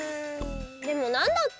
でもなんだっけ？